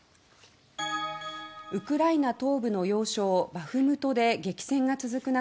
ウクライナ東部の要衝バフムトで激戦が続く中